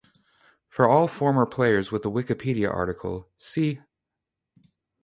"For all former players with a Wikipedia article see "